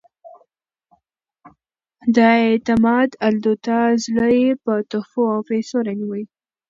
د اعتمادالدولة زړه یې په تحفو او پیسو رانیوی.